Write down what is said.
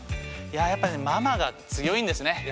やっぱね「ママ」が強いんですね。